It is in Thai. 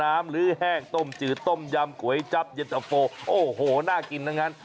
ลื้อแห้งต้มจืดต้มยำก๋วยจับเย็นตะโฟโอ้โหน่ากินทั้งนั้น